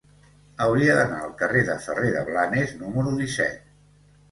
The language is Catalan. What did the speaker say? Hauria d'anar al carrer de Ferrer de Blanes número disset.